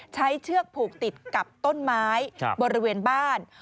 เชือกผูกติดกับต้นไม้บริเวณบ้าน